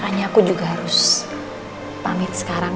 hanya aku juga harus pamit sekarang